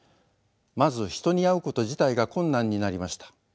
まず人に会うこと自体が困難になりました。